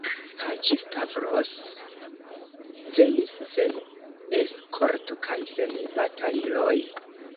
Haĝi-Stavros venis, sen eskorto kaj sen bataliloj.